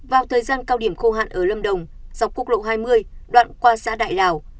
vào thời gian cao điểm khô hạn ở lâm đồng dọc quốc lộ hai mươi đoạn qua xã đại lào